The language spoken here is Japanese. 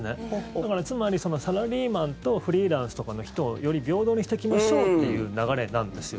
だから、つまりサラリーマンとフリーランスとかの人をより平等にしていきましょうという流れなんですよ。